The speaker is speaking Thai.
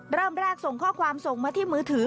เริ่มแรกส่งข้อความส่งมาที่มือถือ